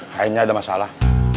kayaknya ada masalah